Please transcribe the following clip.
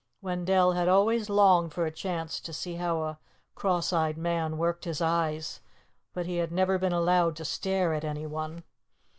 Wendell had always longed for a chance to see how a cross eyed man worked his eyes, but he had never been allowed to stare at any one.